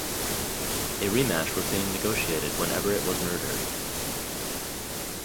A rematch was being negotiated when Everett was murdered.